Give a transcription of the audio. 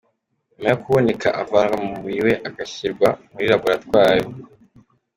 Nyuma yo kuboneka avanwa mu mubiri we agashyirwa muri laboratwari.